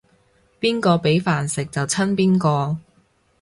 邊個畀飯食就親邊個